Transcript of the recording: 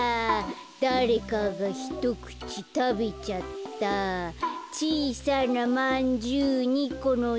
「だれかがひとくちたべちゃった」「ちいさなまんじゅう２このせて」